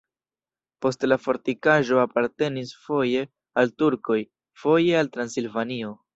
Poste la fortikaĵo apartenis foje al turkoj, foje al Transilvanio.